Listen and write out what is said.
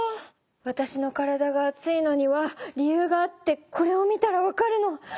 わたしの体があついのには理由があってこれを見たら分かるの！